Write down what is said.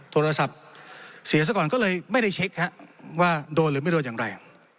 โทรศัพท์เสียก่อนก็เลยไม่ได้เช็คว่าโดนหรือไม่โดนอย่างไร